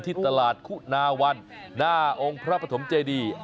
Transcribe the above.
ที่ตลาดคุณาวันหน้าองค์พระปฐมเจดี